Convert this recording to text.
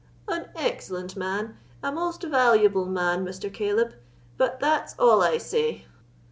"An excellent man—a most valuable man, Mr. Caleb; but fat sall I say!